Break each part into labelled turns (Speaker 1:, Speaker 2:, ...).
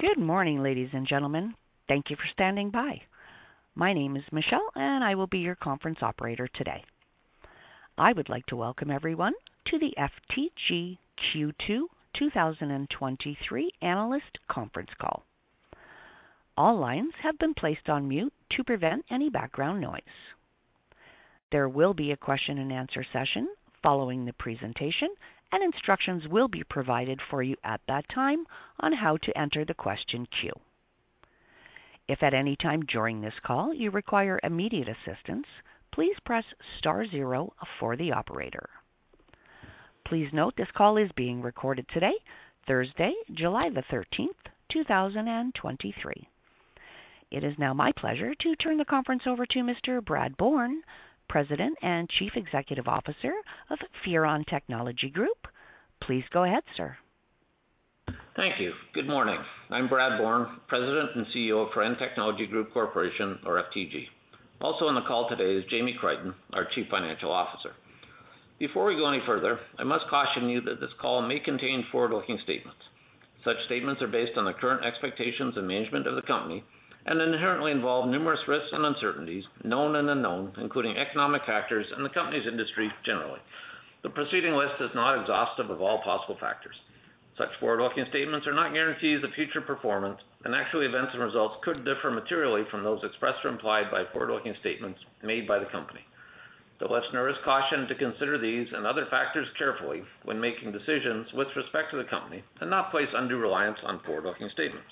Speaker 1: Good morning, ladies and gentlemen. Thank you for standing by. My name is Michelle, I will be your conference operator today. I would like to welcome everyone to the FTG Q2 2023 Analyst Conference Call. All lines have been placed on mute to prevent any background noise. There will be a question and answer session following the presentation, instructions will be provided for you at that time on how to enter the question queue. If at any time during this call you require immediate assistance, please press star zero for the operator. Please note, this call is being recorded today, Thursday, July 13th, 2023. It is now my pleasure to turn the conference over to Mr. Brad Bourne, President and Chief Executive Officer of Firan Technology Group. Please go ahead, sir.
Speaker 2: Thank you. Good morning. I'm Brad Bourne, President and CEO of Firan Technology Group Corporation, or FTG. Also on the call today is Jamie Crichton, our Chief Financial Officer. Before we go any further, I must caution you that this call may contain forward-looking statements. Such statements are based on the current expectations and management of the company and inherently involve numerous risks and uncertainties, known and unknown, including economic factors and the company's industry generally. The preceding list is not exhaustive of all possible factors. Such forward-looking statements are not guarantees of future performance, and actual events and results could differ materially from those expressed or implied by forward-looking statements made by the company. The listener is cautioned to consider these and other factors carefully when making decisions with respect to the company and not place undue reliance on forward-looking statements.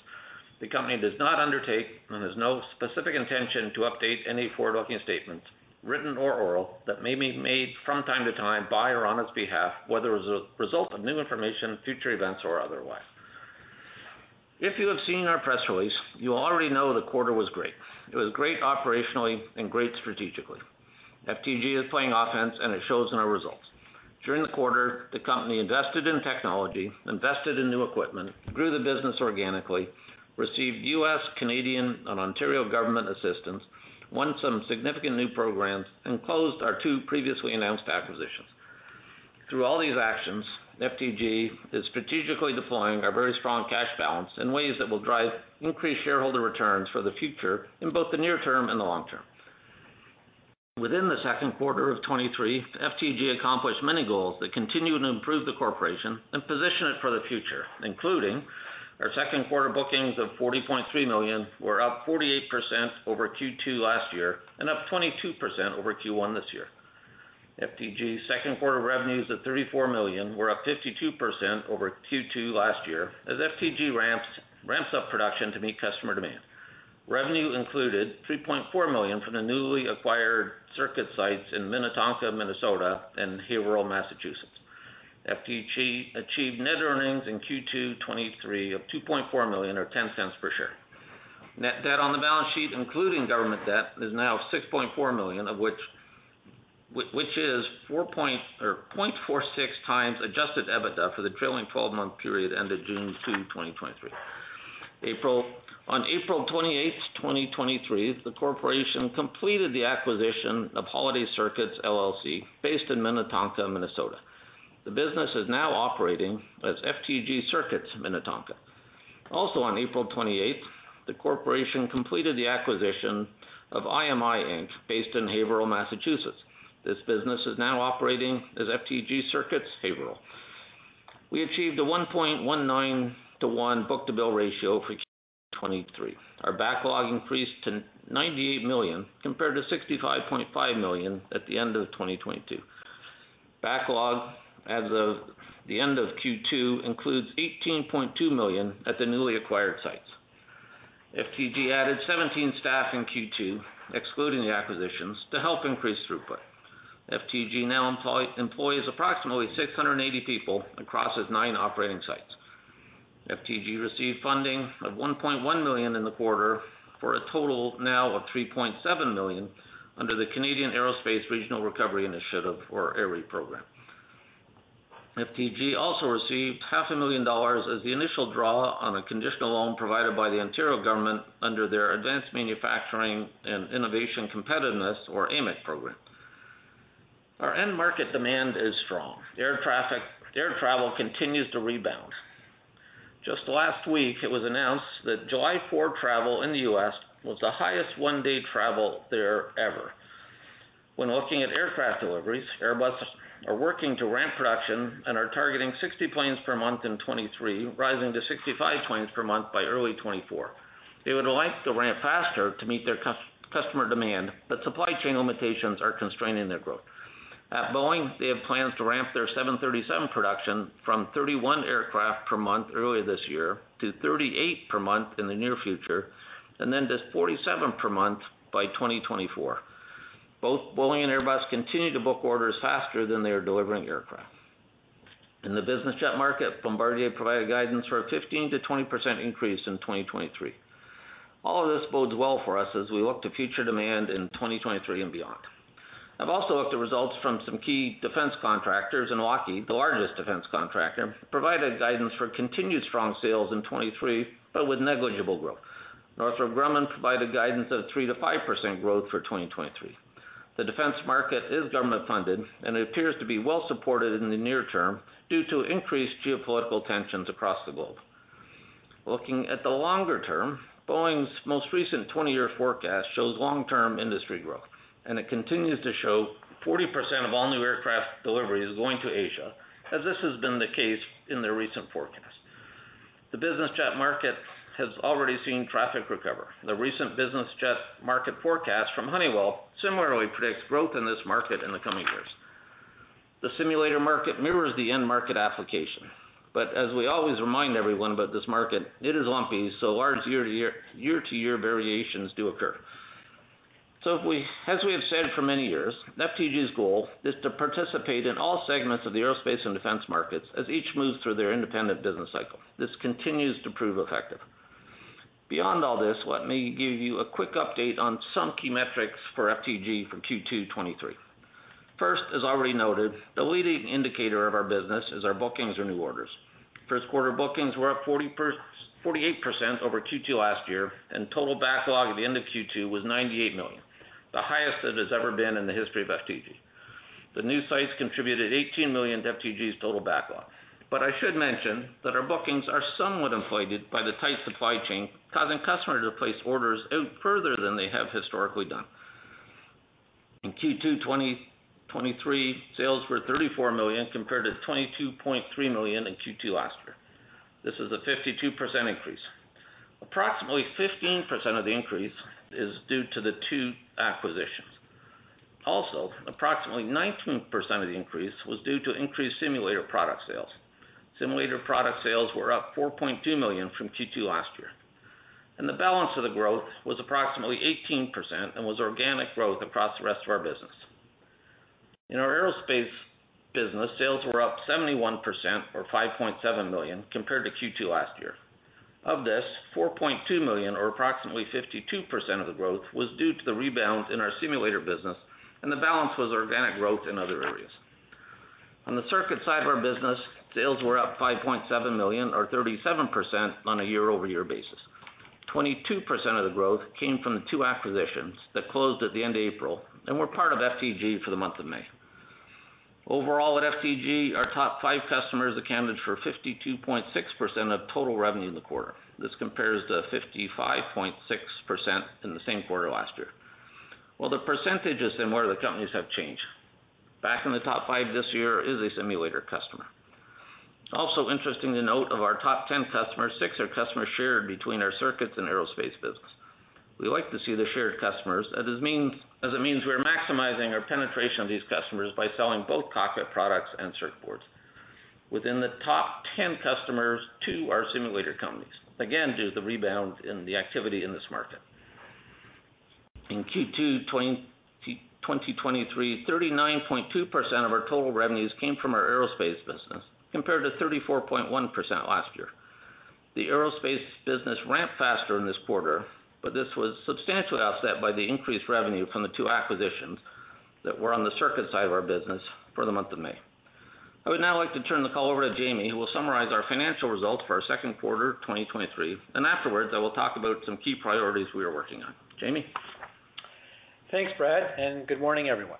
Speaker 2: The company does not undertake and has no specific intention to update any forward-looking statements, written or oral, that may be made from time to time by or on its behalf, whether as a result of new information, future events, or otherwise. If you have seen our press release, you already know the quarter was great. It was great operationally and great strategically. FTG is playing offense, and it shows in our results. During the quarter, the company invested in technology, invested in new equipment, grew the business organically, received U.S., Canadian, and Ontario government assistance, won some significant new programs, and closed our two previously announced acquisitions. Through all these actions, FTG is strategically deploying our very strong cash balance in ways that will drive increased shareholder returns for the future in both the near term and the long term. Within the second quarter of 2023, FTG accomplished many goals that continued to improve the corporation and position it for the future, including our second quarter bookings of $40.3 million were up 48% over Q2 last year and up 22% over Q1 this year. FTG's second quarter revenues of $34 million were up 52% over Q2 last year as FTG ramps up production to meet customer demand. Revenue included $3.4 million from the newly acquired Circuits sites in Minnetonka, Minnesota, and Haverhill, Massachusetts. FTG achieved net earnings in Q2 2023 of $2.4 million, or $0.10 per share. Net debt on the balance sheet, including government debt, is now $6.4 million, of which is 0.46 times adjusted EBITDA for the trailing twelve-month period ended June 2, 2023. On April 28, 2023, the corporation completed the acquisition of Holiday Circuits, LLC, based in Minnetonka, Minnesota. The business is now operating as FTG Circuits Minnetonka. On April 28, the corporation completed the acquisition of IMI Inc., based in Haverhill, Massachusetts. This business is now operating as FTG Circuits Haverhill. We achieved a 1.19 to 1 book-to-bill ratio for Q2 2023. Our backlog increased to $98 million, compared to $65.5 million at the end of 2022. Backlog as of the end of Q2 includes $18.2 million at the newly acquired sites. FTG added 17 staff in Q2, excluding the acquisitions, to help increase throughput. FTG now employs approximately 680 people across its 9 operating sites. FTG received funding of 1.1 million in the quarter, for a total now of 3.7 million under the Canadian Aerospace Regional Recovery Initiative, or ARRI program. FTG also received half a million CAD as the initial draw on a conditional loan provided by the Ontario government under their Advanced Manufacturing and Innovation Competitiveness, or AMIC program. Our end market demand is strong. Air travel continues to rebound. Just last week, it was announced that July 4 travel in the US was the highest one-day travel there ever. When looking at aircraft deliveries, Airbus are working to ramp production and are targeting 60 planes per month in 2023, rising to 65 planes per month by early 2024. They would like to ramp faster to meet their customer demand, but supply chain limitations are constraining their growth. At Boeing, they have plans to ramp their 737 production from 31 aircraft per month earlier this year to 38 per month in the near future, and then to 47 per month by 2024. Both Boeing and Airbus continue to book orders faster than they are delivering aircraft. In the business jet market, Bombardier provided guidance for a 15%-20% increase in 2023. All of this bodes well for us as we look to future demand in 2023 and beyond. I've also looked at results from some key defense contractors, and Lockheed, the largest defense contractor, provided guidance for continued strong sales in 2023, but with negligible growth. Northrop Grumman provided guidance of 3%-5% growth for 2023. The defense market is government-funded, and it appears to be well supported in the near term due to increased geopolitical tensions across the globe. Looking at the longer term, Boeing's most recent 20-year forecast shows long-term industry growth. It continues to show 40% of all new aircraft deliveries going to Asia, as this has been the case in their recent forecast. The business jet market has already seen traffic recover. The recent business jet market forecast from Honeywell similarly predicts growth in this market in the coming years. The simulator market mirrors the end market application. As we always remind everyone about this market, it is lumpy, so large year-to-year variations do occur. As we have said for many years, FTG's goal is to participate in all segments of the aerospace and defense markets as each moves through their independent business cycle. This continues to prove effective. Beyond all this, let me give you a quick update on some key metrics for FTG for Q2 2023. First, as already noted, the leading indicator of our business is our bookings or new orders. First quarter bookings were up 48% over Q2 last year, total backlog at the end of Q2 was $98 million, the highest it has ever been in the history of FTG. The new sites contributed $18 million to FTG's total backlog. I should mention that our bookings are somewhat inflated by the tight supply chain, causing customers to place orders out further than they have historically done. In Q2 2023, sales were $34 million, compared to $22.3 million in Q2 last year. This is a 52% increase. Approximately 15% of the increase is due to the two acquisitions. Approximately 19% of the increase was due to increased simulator product sales. Simulator product sales were up $4.2 million from Q2 last year, and the balance of the growth was approximately 18% and was organic growth across the rest of our business. In our Aerospace business, sales were up 71%, or $5.7 million, compared to Q2 last year. Of this, $4.2 million, or approximately 52% of the growth, was due to the rebound in our simulator business, and the balance was organic growth in other areas. On the Circuits side of our business, sales were up $5.7 million, or 37% on a year-over-year basis. 22% of the growth came from the two acquisitions that closed at the end of April and were part of FTG for the month of May. Overall, at FTG, our top 5 customers accounted for 52.6% of total revenue in the quarter. This compares to 55.6% in the same quarter last year. Well, the percentages in where the companies have changed. Back in the top 5 this year is a simulator customer. Also interesting to note, of our top 10 customers, 6 are customers shared between our Circuits and Aerospace business. We like to see the shared customers, as it means we're maximizing our penetration of these customers by selling both cockpit products and circuit boards. Within the top 10 customers, 2 are simulator companies, again, due to the rebound in the activity in this market. In Q2 2023, 39.2% of our total revenues came from our Aerospace business, compared to 34.1% last year. The aerospace business ramped faster in this quarter. This was substantially offset by the increased revenue from the 2 acquisitions that were on the circuit side of our business for the month of May. I would now like to turn the call over to Jamie, who will summarize our financial results for our second quarter, 2023, and afterwards, I will talk about some key priorities we are working on. Jamie?
Speaker 3: Thanks, Brad. Good morning, everyone.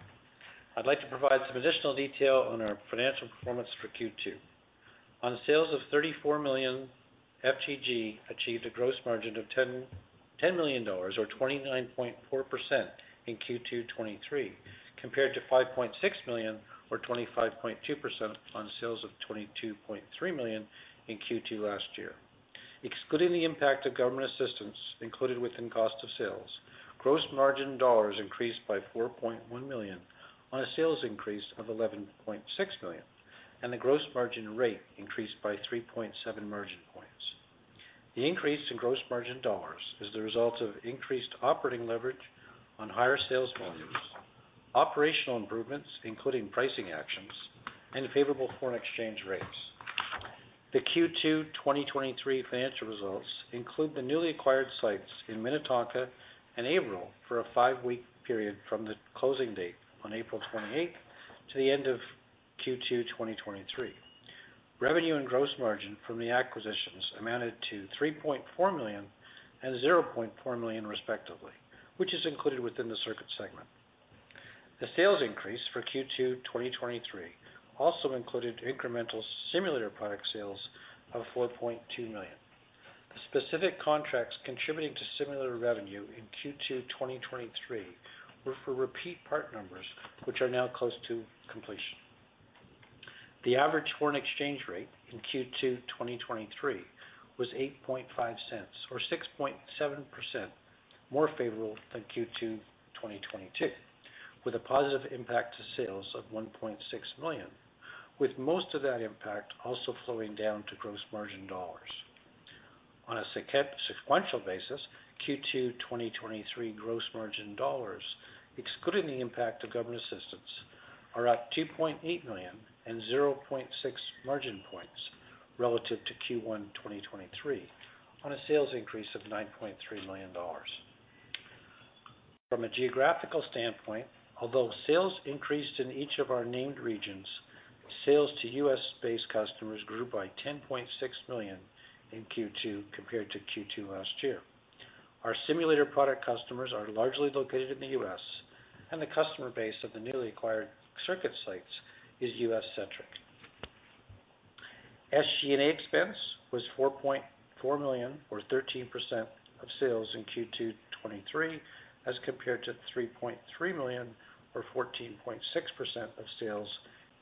Speaker 3: I'd like to provide some additional detail on our financial performance for Q2. On sales of $34 million, FTG achieved a gross margin of $10 million, or 29.4% in Q2 2023, compared to $5.6 million, or 25.2% on sales of $22.3 million in Q2 last year. Excluding the impact of government assistance included within cost of sales, gross margin dollars increased by $4.1 million on a sales increase of $11.6 million, and the gross margin rate increased by 3.7 margin points. The increase in gross margin dollars is the result of increased operating leverage on higher sales volumes, operational improvements, including pricing actions and favorable foreign exchange rates. The Q2 2023 financial results include the newly acquired sites in Minnetonka and April for a 5-week period from the closing date on April 28th to the end of Q2 2023. Revenue and gross margin from the acquisitions amounted to $3.4 million and $0.4 million, respectively, which is included within the Circuits segment. The sales increase for Q2 2023 also included incremental simulator product sales of $4.2 million. The specific contracts contributing to simulator revenue in Q2 2023 were for repeat part numbers, which are now close to completion. The average foreign exchange rate in Q2 2023 was $0.085, or 6.7% more favorable than Q2 2022, with a positive impact to sales of $1.6 million, with most of that impact also flowing down to gross margin dollars. On a sequential basis, Q2 2023 gross margin dollars, excluding the impact of government assistance, are up $2.8 million and 0.6 margin points relative to Q1 2023, on a sales increase of $9.3 million. From a geographical standpoint, although sales increased in each of our named regions. Sales to U.S.-based customers grew by $10.6 million in Q2 compared to Q2 last year. Our simulator product customers are largely located in the U.S., and the customer base of the newly acquired Circuits sites is U.S.-centric. SG&A expense was $4.4 million, or 13% of sales in Q2 2023, as compared to $3.3 million, or 14.6% of sales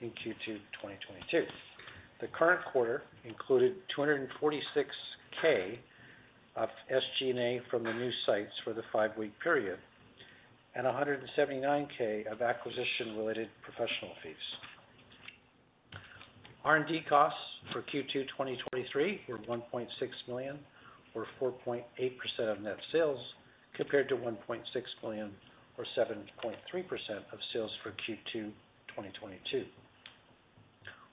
Speaker 3: in Q2 2022. The current quarter included 246K of SG&A from the new sites for the five-week period and 179K of acquisition-related professional fees. R&D costs for Q2 2023 were 1.6 million, or 4.8% of net sales, compared to 1.6 million, or 7.3% of sales for Q2 2022.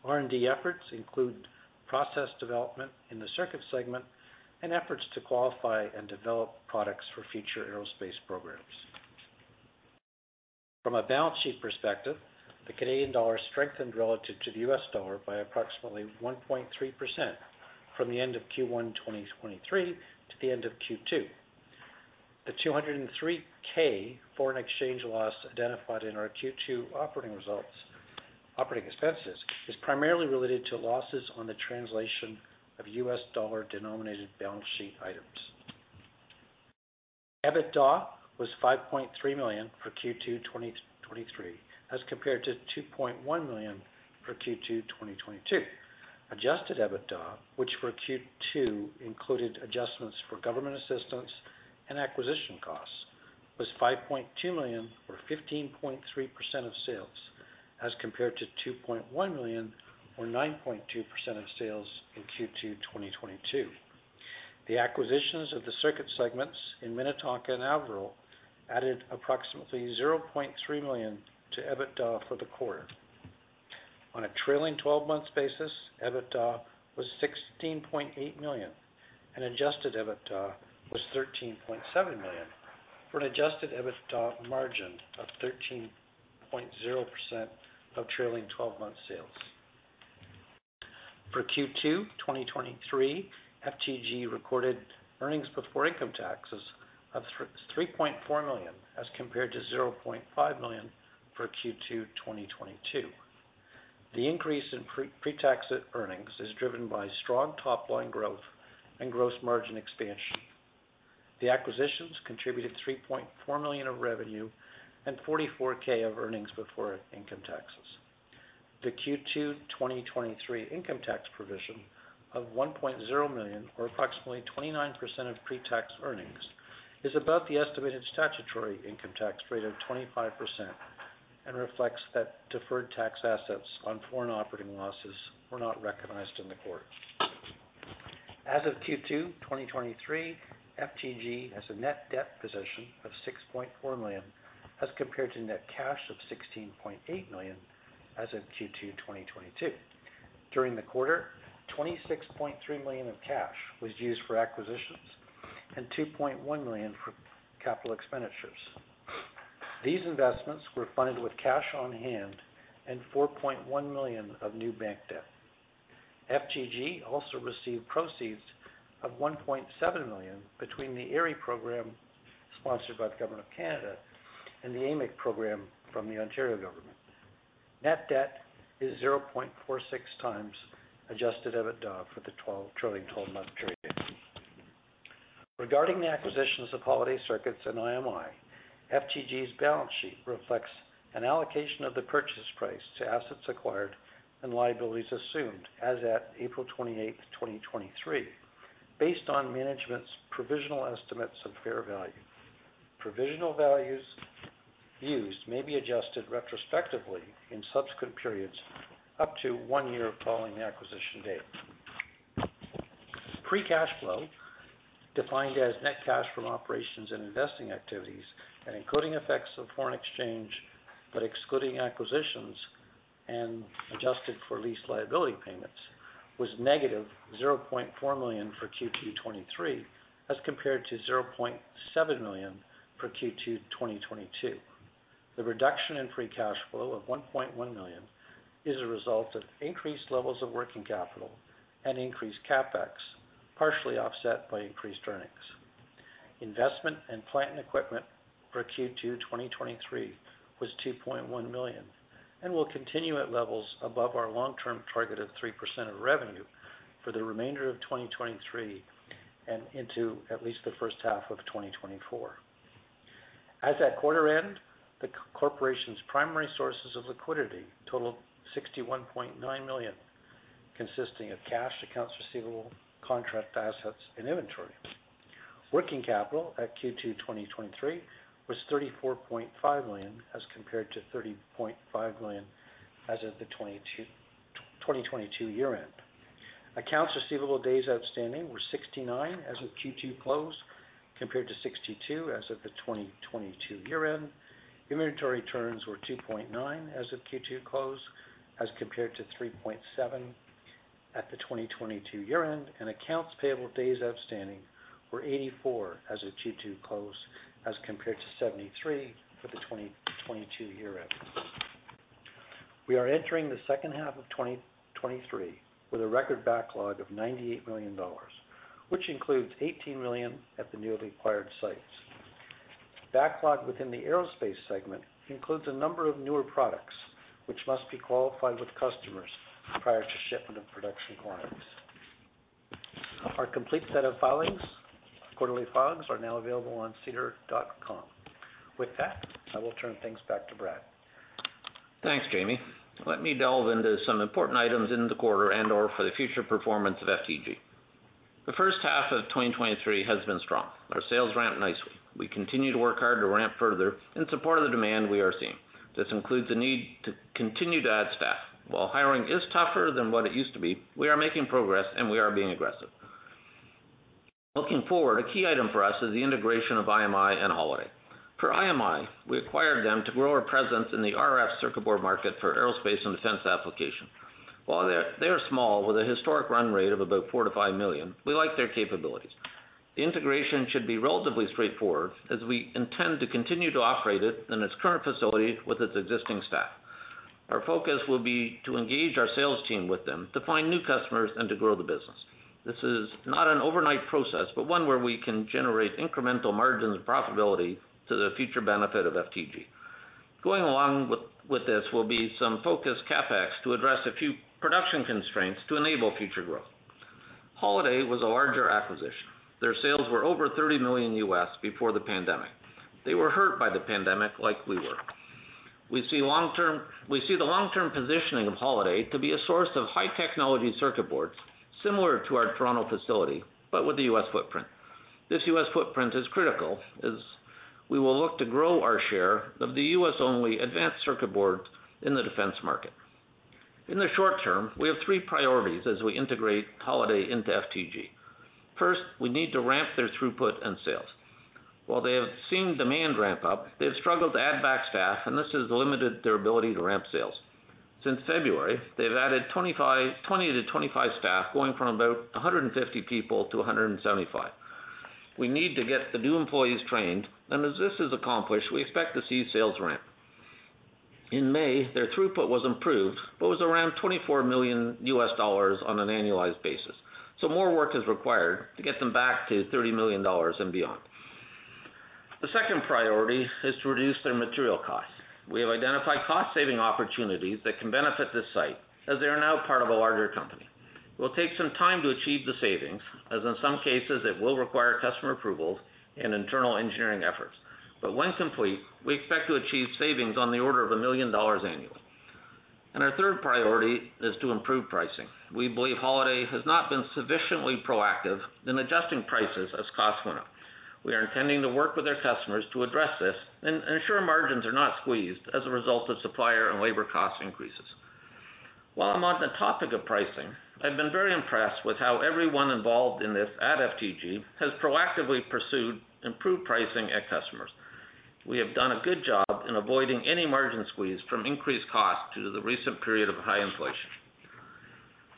Speaker 3: R&D efforts include process development in the Circuits segment and efforts to qualify and develop products for future aerospace programs. From a balance sheet perspective, the Canadian dollar strengthened relative to the US dollar by approximately 1.3% from the end of Q1 2023 to the end of Q2. The 203K foreign exchange loss identified in our Q2 operating results, operating expenses, is primarily related to losses on the translation of USD-denominated balance sheet items. EBITDA was $5.3 million for Q2 2023, as compared to $2.1 million for Q2 2022. Adjusted EBITDA, which for Q2 included adjustments for government assistance and acquisition costs, was $5.2 million, or 15.3% of sales, as compared to $2.1 million, or 9.2% of sales in Q2 2022. The acquisitions of the Circuit segments in Minnetonka and Haverhill added approximately $0.3 million to EBITDA for the quarter. On a trailing twelve-month basis, EBITDA was $16.8 million, and adjusted EBITDA was $13.7 million, for an adjusted EBITDA margin of 13.0% of trailing twelve-month sales. For Q2 2023, FTG recorded earnings before income taxes of $3.4 million, as compared to $0.5 million for Q2 2022. The increase in pre-tax earnings is driven by strong top-line growth and gross margin expansion. The acquisitions contributed 3.4 million of revenue and 44K of earnings before income taxes. The Q2 2023 income tax provision of 1.0 million, or approximately 29% of pre-tax earnings, is above the estimated statutory income tax rate of 25% and reflects that deferred tax assets on foreign operating losses were not recognized in the quarter. As of Q2 2023, FTG has a net debt position of 6.4 million, as compared to net cash of 16.8 million as of Q2 2022. During the quarter, 26.3 million of cash was used for acquisitions and 2.1 million for capital expenditures. These investments were funded with cash on hand and 4.1 million of new bank debt. FTG also received proceeds of 1.7 million between the ARRI program, sponsored by the Government of Canada, and the AMIC program from the Ontario government. Net debt is 0.46 times adjusted EBITDA for the trailing twelve-month period. Regarding the acquisitions of Holaday Circuits and IMI, FTG's balance sheet reflects an allocation of the purchase price to assets acquired and liabilities assumed as at April 28, 2023, based on management's provisional estimates of fair value. Provisional values used may be adjusted retrospectively in subsequent periods, up to one year following the acquisition date. free cash flow, defined as net cash from operations and investing activities and including effects of foreign exchange, but excluding acquisitions and adjusted for lease liability payments, was negative 0.4 million for Q2 2023, as compared to 0.7 million for Q2 2022. The reduction in free cash flow of $1.1 million is a result of increased levels of working capital and increased CapEx, partially offset by increased earnings. Investment and plant and equipment for Q2 2023 was $2.1 million and will continue at levels above our long-term target of 3% of revenue for the remainder of 2023 and into at least the first half of 2024. As at quarter end, the corporation's primary sources of liquidity totaled $61.9 million, consisting of cash, accounts receivable, contract assets, and inventory. Working capital at Q2 2023 was $34.5 million, as compared to $30.5 million as of the 2022 year end. Accounts receivable days outstanding were 69 as of Q2 close, compared to 62 as of the 2022 year end. Inventory turns were 2.9 as of Q2 close, as compared to 3.7 at the 2022 year-end, and accounts payable days outstanding were 84 as of Q2 close, as compared to 73 for the 2022 year-end. We are entering the second half of 2023 with a record backlog of $98 million, which includes $18 million at the newly acquired sites. Backlog within the Aerospace segment includes a number of newer products, which must be qualified with customers prior to shipment of production quantities. Our complete set of filings, quarterly filings, are now available on SEDAR+. With that, I will turn things back to Brad.
Speaker 2: Thanks, Jamie. Let me delve into some important items in the quarter and/or for the future performance of FTG. The first half of 2023 has been strong. Our sales ramped nicely. We continue to work hard to ramp further in support of the demand we are seeing. This includes the need to continue to add staff. While hiring is tougher than what it used to be, we are making progress, and we are being aggressive. Looking forward, a key item for us is the integration of IMI and Holaday. For IMI, we acquired them to grow our presence in the RF circuit board market for aerospace and defense application. While they are small, with a historic run rate of about $4 million-$5 million, we like their capabilities. The integration should be relatively straightforward, as we intend to continue to operate it in its current facility with its existing staff. Our focus will be to engage our sales team with them, to find new customers and to grow the business. This is not an overnight process, but one where we can generate incremental margins and profitability to the future benefit of FTG. Going along with this will be some focused CapEx to address a few production constraints to enable future growth. Holaday was a larger acquisition. Their sales were over $30 million before the pandemic. They were hurt by the pandemic like we were. We see the long-term positioning of Holaday to be a source of high-technology circuit boards, similar to our Toronto facility, but with a U.S. footprint. This U.S. footprint is critical, as we will look to grow our share of the U.S.-only advanced circuit board in the defense market. In the short term, we have three priorities as we integrate Holaday into FTG. First, we need to ramp their throughput and sales. While they have seen demand ramp up, they've struggled to add back staff, and this has limited their ability to ramp sales. Since February, they've added 25, 20-25 staff, going from about 150 people to 175. We need to get the new employees trained, and as this is accomplished, we expect to see sales ramp. In May, their throughput was improved, but was around $24 million on an annualized basis, so more work is required to get them back to $30 million and beyond. The second priority is to reduce their material costs. We have identified cost-saving opportunities that can benefit this site, as they are now part of a larger company. It will take some time to achieve the savings, as in some cases, it will require customer approvals and internal engineering efforts. When complete, we expect to achieve savings on the order of $1 million annually. Our third priority is to improve pricing. We believe Holaday has not been sufficiently proactive in adjusting prices as costs went up. We are intending to work with their customers to address this and ensure margins are not squeezed as a result of supplier and labor cost increases. While I'm on the topic of pricing, I've been very impressed with how everyone involved in this at FTG has proactively pursued improved pricing at customers. We have done a good job in avoiding any margin squeeze from increased costs due to the recent period of high inflation.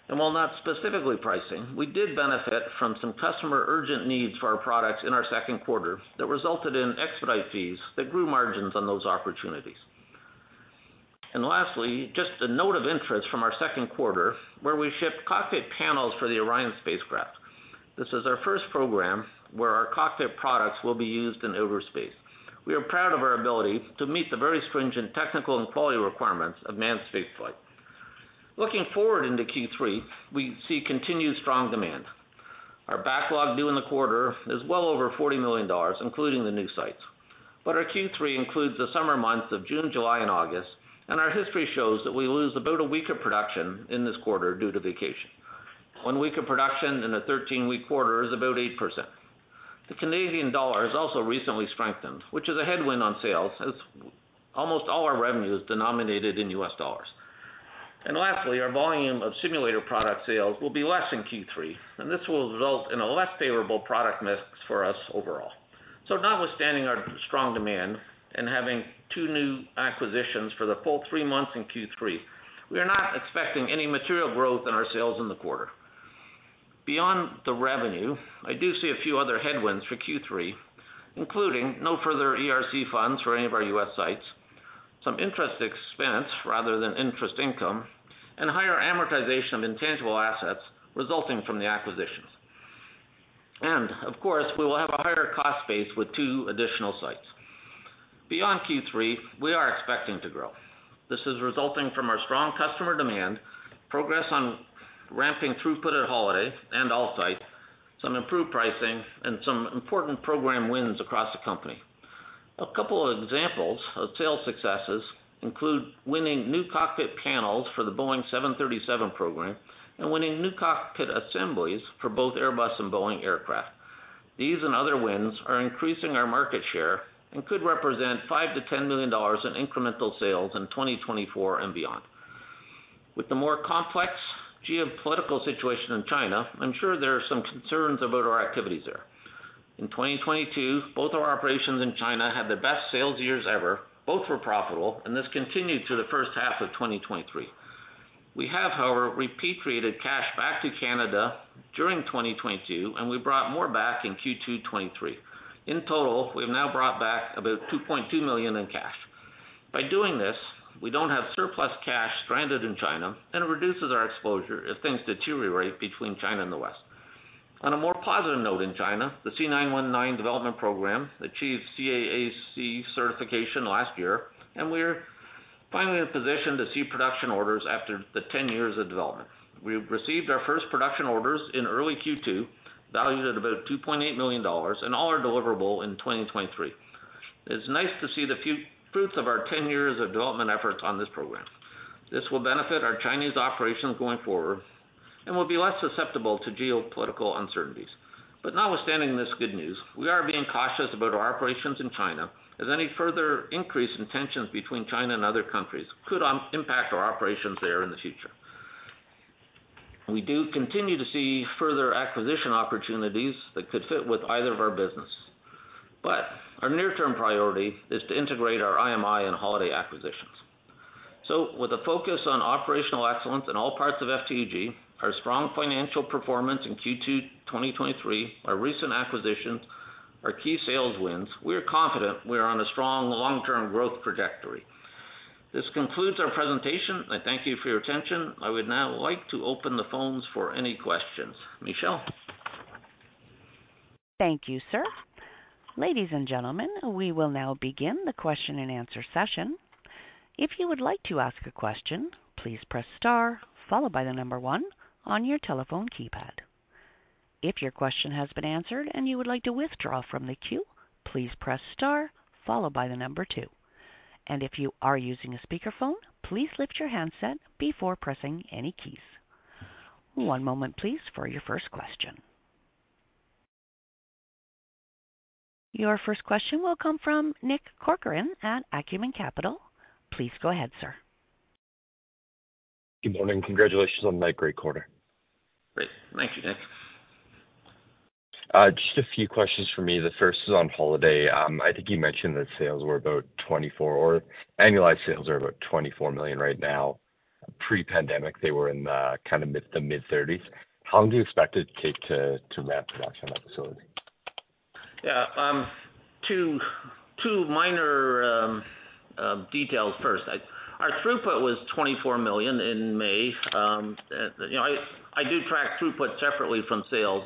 Speaker 2: While not specifically pricing, we did benefit from some customer urgent needs for our products in our second quarter that resulted in expedite fees that grew margins on those opportunities. Lastly, just a note of interest from our second quarter, where we shipped cockpit panels for the Orion spacecraft. This is our first program where our cockpit products will be used in outer space. We are proud of our ability to meet the very stringent technical and quality requirements of manned spaceflight. Looking forward into Q3, we see continued strong demand. Our backlog due in the quarter is well over $40 million, including the new sites. Our Q3 includes the summer months of June, July, and August, and our history shows that we lose about a week of production in this quarter due to vacation. One week of production in a 13-week quarter is about 8%. The Canadian dollar has also recently strengthened, which is a headwind on sales, as almost all our revenue is denominated in US dollars. Lastly, our volume of simulator product sales will be less in Q3, and this will result in a less favorable product mix for us overall. Notwithstanding our strong demand and having two new acquisitions for the full three months in Q3, we are not expecting any material growth in our sales in the quarter. Beyond the revenue, I do see a few other headwinds for Q3, including no further ERC funds for any of our US sites, some interest expense rather than interest income, and higher amortization of intangible assets resulting from the acquisitions. Of course, we will have a higher cost base with two additional sites. Beyond Q3, we are expecting to grow. This is resulting from our strong customer demand, progress on ramping throughput at Holaday and all sites, some improved pricing, and some important program wins across the company. A couple of examples of sales successes include winning new cockpit panels for the Boeing 737 program and winning new cockpit assemblies for both Airbus and Boeing aircraft. These and other wins are increasing our market share and could represent $5 million-$10 million in incremental sales in 2024 and beyond. With the more complex geopolitical situation in China, I'm sure there are some concerns about our activities there.... In 2022, both our operations in China had the best sales years ever. Both were profitable, this continued to the first half of 2023. We have, however, repatriated cash back to Canada during 2022, and we brought more back in Q2 2023. In total, we've now brought back about $2.2 million in cash. By doing this, we don't have surplus cash stranded in China, and it reduces our exposure if things deteriorate between China and the West. On a more positive note, in China, the C919 development program achieved CAAC certification last year, and we are finally in a position to see production orders after the 10 years of development. We've received our first production orders in early Q2, valued at about $2.8 million, and all are deliverable in 2023. It's nice to see the few fruits of our 10 years of development efforts on this program. This will benefit our Chinese operations going forward and will be less susceptible to geopolitical uncertainties. Notwithstanding this good news, we are being cautious about our operations in China, as any further increase in tensions between China and other countries could impact our operations there in the future. We do continue to see further acquisition opportunities that could fit with either of our business, but our near-term priority is to integrate our IMI and Holaday acquisitions. With a focus on operational excellence in all parts of FTG, our strong financial performance in Q2 2023, our recent acquisitions, our key sales wins, we are confident we are on a strong long-term growth trajectory. This concludes our presentation. I thank you for your attention. I would now like to open the phones for any questions. Michelle?
Speaker 1: Thank you, sir. Ladies and gentlemen, we will now begin the question-and-answer session. If you would like to ask a question, please press star followed by 1 on your telephone keypad. If your question has been answered and you would like to withdraw from the queue, please press star followed by 2. If you are using a speakerphone, please lift your handset before pressing any keys. One moment, please, for your first question. Your first question will come from Nick Corcoran at Acumen Capital. Please go ahead, sir.
Speaker 4: Good morning. Congratulations on that great quarter.
Speaker 2: Great. Thank you, Nick.
Speaker 4: Just a few questions for me. The first is on Holaday. I think you mentioned that annualized sales are about $24 million right now. Pre-pandemic, they were in the mid-$30 million. How long do you expect it to take to ramp production on that facility?
Speaker 2: Two minor details first. Our throughput was $24 million in May. You know, I do track throughput separately from sales.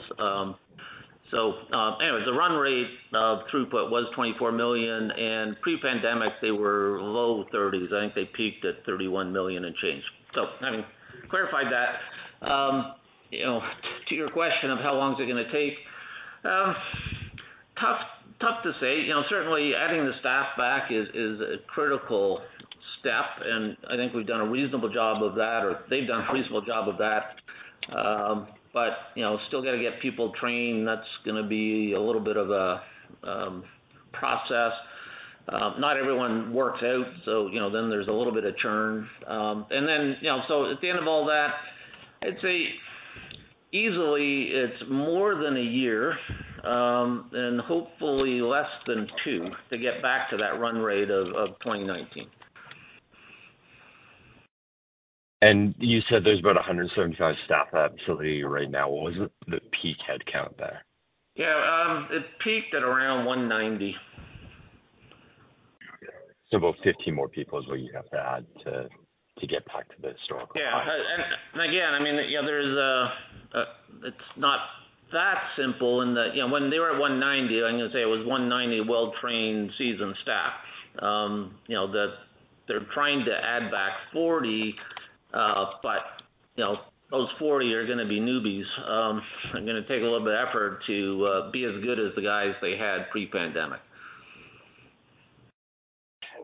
Speaker 2: Anyways, the run rate of throughput was $24 million, and pre-pandemic they were low 30s. I think they peaked at $31 million and change. Having clarified that, you know, to your question of how long is it gonna take? Tough to say. You know, certainly adding the staff back is a critical step, and I think we've done a reasonable job of that, or they've done a reasonable job of that. You know, still got to get people trained. That's gonna be a little bit of a process. Not everyone works out, so, you know, then there's a little bit of churn. You know, at the end of all that, I'd say easily it's more than a year, and hopefully less than 2 to get back to that run rate of 2019.
Speaker 4: You said there's about 175 staff at that facility right now. What was the peak headcount there?
Speaker 2: Yeah, it peaked at around 1.90.
Speaker 4: about 50 more people is what you have to add to get back to the historical-
Speaker 2: Yeah. Again, I mean, you know, there's a, it's not that simple in that, you know, when they were at 190, I'm gonna say it was 190 well-trained, seasoned staff. You know, that they're trying to add back 40, but, you know, those 40 are gonna be newbies. They're gonna take a little bit of effort to be as good as the guys they had pre-pandemic.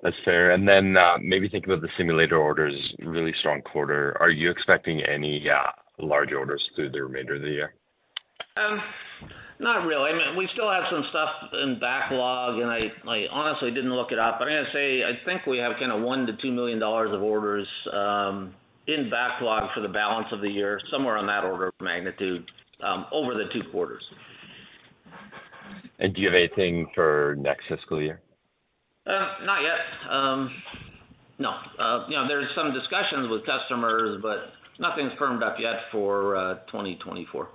Speaker 4: That's fair. Then, maybe thinking about the simulator orders, really strong quarter, are you expecting any large orders through the remainder of the year?
Speaker 2: Not really. I mean, we still have some stuff in backlog, and I honestly didn't look it up. I'm gonna say, I think we have kind of $1 million-$2 million of orders in backlog for the balance of the year, somewhere on that order of magnitude over the 2 quarters.
Speaker 4: Do you have anything for next fiscal year?
Speaker 2: Not yet. No. You know, there are some discussions with customers, but nothing's firmed up yet for 2024.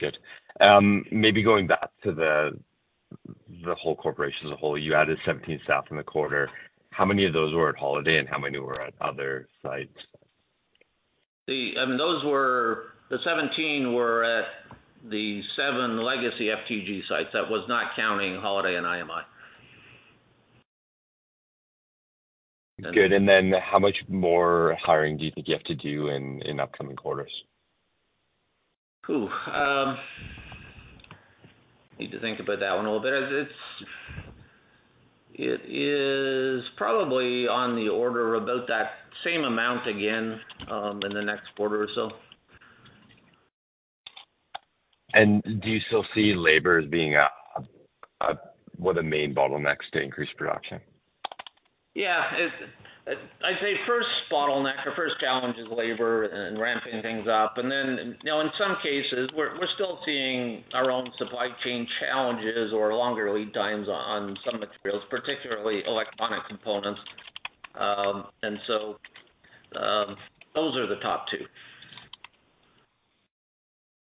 Speaker 4: Good. maybe going back to the whole corporation as a whole, you added 17 staff in the quarter. How many of those were at Holaday, and how many were at other sites?
Speaker 2: I mean, the 17 were at the seven legacy FTG sites. That was not counting Holaday and IMI.
Speaker 4: Good. How much more hiring do you think you have to do in upcoming quarters?
Speaker 2: I need to think about that one a little bit. It is probably on the order about that same amount again in the next quarter or so.
Speaker 4: Do you still see labor were the main bottlenecks to increase production?
Speaker 2: Yeah, I'd say first bottleneck or first challenge is labor and ramping things up. Now, in some cases, we're still seeing our own supply chain challenges or longer lead times on some materials, particularly electronic components. Those are the top two.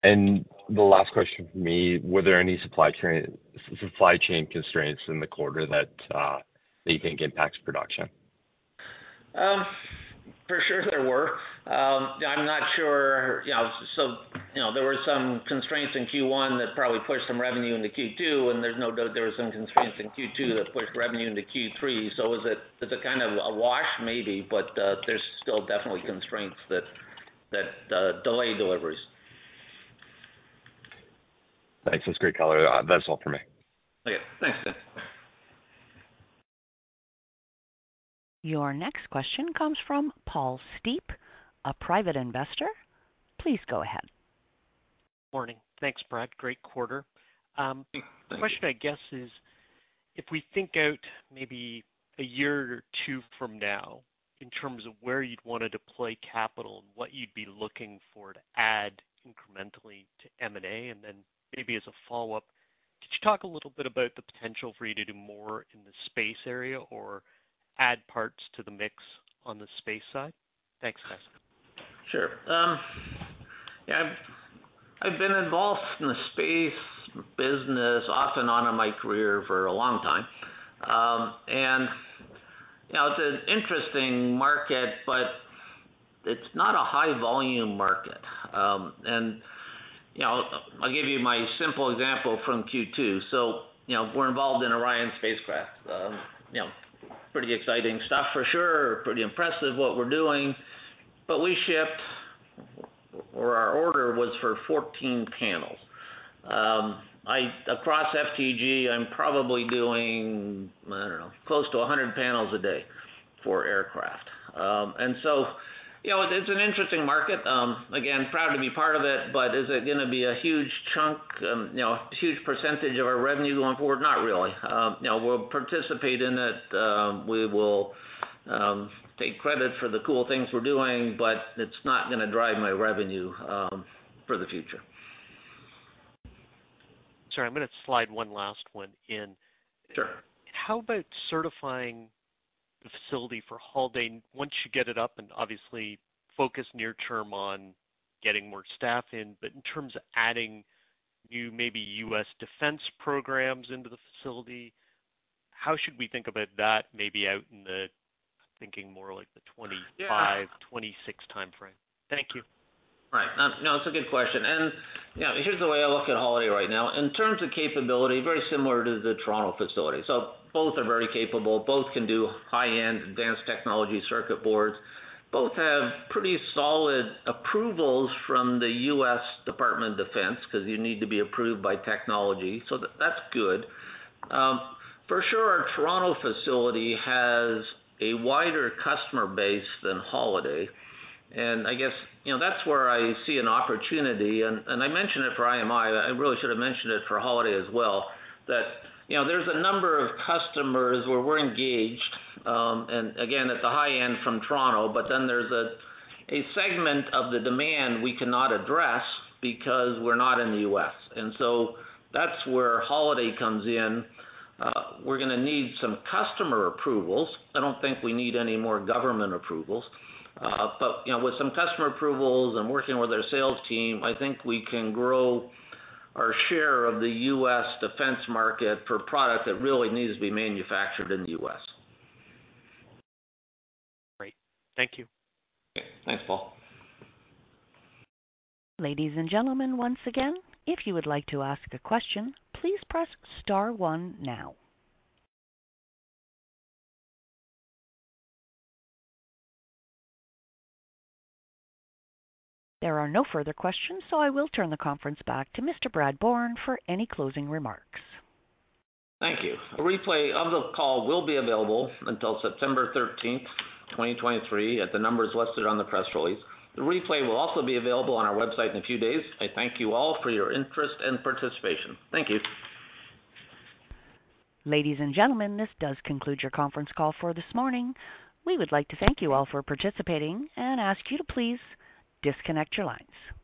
Speaker 4: The last question for me, were there any supply chain constraints in the quarter that you think impacts production?
Speaker 2: For sure there were. I'm not sure. You know, so, you know, there were some constraints in Q1 that probably pushed some revenue into Q2, and there's no doubt there were some constraints in Q2 that pushed revenue into Q3. Is it's a kind of a wash maybe, but there's still definitely constraints that delay deliveries.
Speaker 4: Thanks. That's great color. That's all for me.
Speaker 2: Okay, thanks, Nick.
Speaker 1: Your next question comes from Paul Steepe, a private investor. Please go ahead.
Speaker 5: Morning. Thanks, Brad. Great quarter.
Speaker 2: Thank you.
Speaker 5: The question, I guess, is, if we think out maybe a year or two from now in terms of where you'd want to deploy capital and what you'd be looking for to add incrementally to M&A, and then maybe as a follow-up, could you talk a little bit about the potential for you to do more in the space area or add parts to the mix on the space side? Thanks, guys.
Speaker 2: Sure. Yeah, I've been involved in the space business off and on in my career for a long time. You know, it's an interesting market, but it's not a high volume market. You know, I'll give you my simple example from Q2. You know, we're involved in Orion spacecraft. You know, pretty exciting stuff for sure. Pretty impressive what we're doing. We shipped, or our order was for 14 panels. Across FTG, I'm probably doing, I don't know, close to 100 panels a day for aircraft. You know, it's an interesting market. Again, proud to be part of it, but is it gonna be a huge chunk, you know, a huge percentage of our revenue going forward? Not really. You know, we'll participate in it. We will take credit for the cool things we're doing, but it's not gonna drive my revenue for the future.
Speaker 5: Sorry, I'm gonna slide one last one in.
Speaker 2: Sure.
Speaker 5: How about certifying the facility for Holaday once you get it up and obviously focus near term on getting more staff in, but in terms of adding new, maybe U.S. defense programs into the facility, how should we think about that maybe out in the, thinking more like the 2025, 2026 timeframe? Thank you.
Speaker 2: Right. No, it's a good question, you know, here's the way I look at Holaday right now. In terms of capability, very similar to the Toronto facility. Both are very capable. Both can do high-end, advanced technology circuit boards. Both have pretty solid approvals from the US Department of Defense, because you need to be approved by technology. That's good. For sure, our Toronto facility has a wider customer base than Holaday, I guess, you know, that's where I see an opportunity. I mentioned it for IMI, I really should have mentioned it for Holaday as well, that, you know, there's a number of customers where we're engaged, and again, at the high end from Toronto, there's a segment of the demand we cannot address because we're not in the US. That's where Holaday comes in. We're gonna need some customer approvals. I don't think we need any more government approvals, you know, with some customer approvals and working with our sales team, I think we can grow our share of the U.S. defense market for product that really needs to be manufactured in the U.S.
Speaker 5: Great. Thank you.
Speaker 2: Thanks, Paul.
Speaker 1: Ladies and gentlemen, once again, if you would like to ask a question, please press star one now. There are no further questions, I will turn the conference back to Mr. Brad Bourne for any closing remarks.
Speaker 2: Thank you. A replay of the call will be available until September 13th, 2023, at the numbers listed on the press release. The replay will also be available on our website in a few days. I thank you all for your interest and participation. Thank you.
Speaker 1: Ladies and gentlemen, this does conclude your conference call for this morning. We would like to thank you all for participating and ask you to please disconnect your lines.